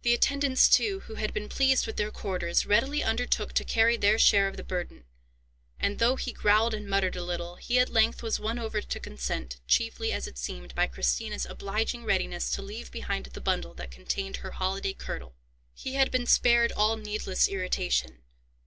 The attendants, too, who had been pleased with their quarters, readily undertook to carry their share of the burthen, and, though he growled and muttered a little, he at length was won over to consent, chiefly, as it seemed, by Christina's obliging readiness to leave behind the bundle that contained her holiday kirtle. He had been spared all needless irritation.